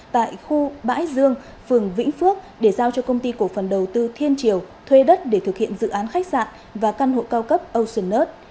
tại khu bãi dương phường vĩnh phước để giao cho công ty cổ phần đầu tư thiên triều thuê đất để thực hiện dự án khách sạn và căn hộ cao cấp ocean earth